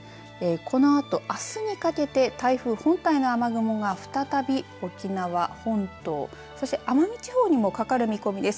このあと、あすにかけて台風本体の雨雲が再び沖縄本島、そして奄美地方にもかかる見込みです。